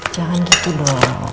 jangan gitu dong